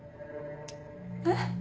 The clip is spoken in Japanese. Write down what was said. えっ？